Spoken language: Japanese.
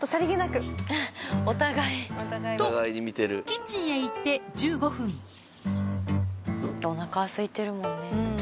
あっお互い。とキッチンへ行って１５分お腹はすいてるもんね。